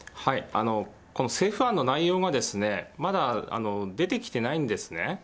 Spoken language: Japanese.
この政府案の内容がまだ出てきてないんですね。